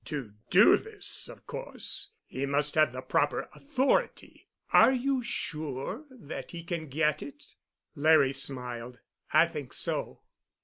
To do this, of course, he must have the proper authority. Are you sure that he can get it?" Larry smiled. "I think so."